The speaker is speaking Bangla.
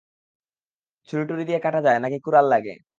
ছুরি-টুরি দিয়ে কাটা যায়, নাকি কুড়াল লাগে?